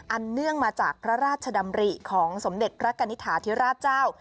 เนื่องมาจากพระราชดำริของสมเด็จพระกณิฐาธิราชเจ้า